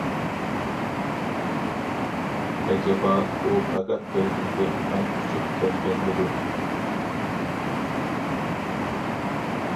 ئەجەبا ئۇ پەقەت بىردىنبىر مەن ئۈچۈن كەلگەنمىدۇ.